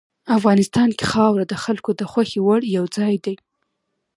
افغانستان کې خاوره د خلکو د خوښې وړ یو ځای دی.